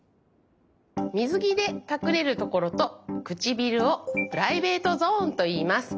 みずぎでかくれるところとくちびるを「プライベートゾーン」といいます。